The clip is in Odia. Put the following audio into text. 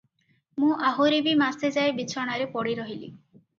ମୁଁ ଆହୁରି ବି ମାସେଯାଏ ବିଛଣାରେ ପଡ଼ି ରହିଲି ।